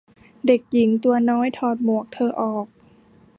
เด็กหญิงตัวน้อย ถอดหมวกเธอออก